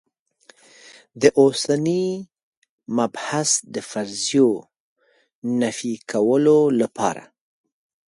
د اوسني مبحث د فرضیو نفي کولو لپاره.